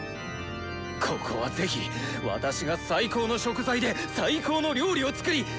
ここは是非私が最高の食材で最高の料理を作り